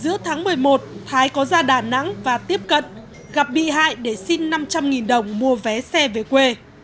giữa tháng một mươi một thái có ra đà nẵng và tiếp cận gặp bị hại để xin năm trăm linh đồng mua vé xe về quê